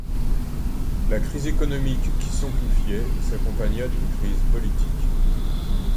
La crise économique qui s'amplifiait s'accompagna d'une crise politique.